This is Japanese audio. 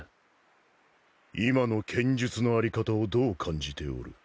今の剣術のあり方をどう感じておる？